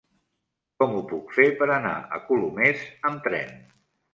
Com ho puc fer per anar a Colomers amb tren?